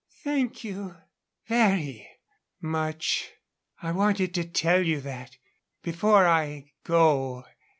"Thank you very much. I wanted to tell you that before I go.